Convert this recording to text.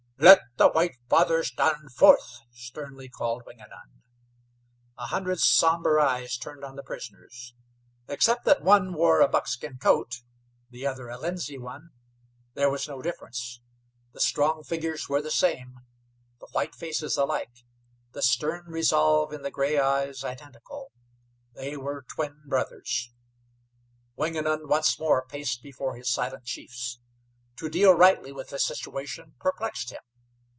"Let the white father stand forth," sternly called Wingenund. A hundred somber eyes turned on the prisoners. Except that one wore a buckskin coat, the other a linsey one, there was no difference. The strong figures were the same, the white faces alike, the stern resolve in the gray eyes identical they were twin brothers. Wingenund once more paced before his silent chiefs. To deal rightly with this situation perplexed him.